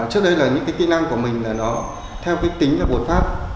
trước đây là những cái kỹ năng của mình là nó theo cái tính là bột phát